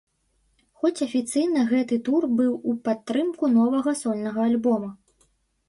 Хоць афіцыйна гэты тур быў у падтрымку новага сольнага альбома.